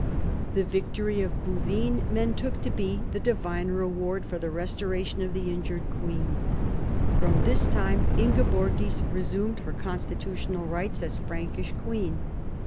The victory of Bouvines men took to be the Divine reward for the restoration of the injured queen. From this time Ingeborgis resumed her constitutional rights as Frankish queen.